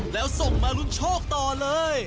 แล้วส่งมารุนโชคต่อเลย